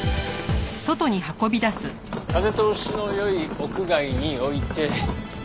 風通しの良い屋外に置いて。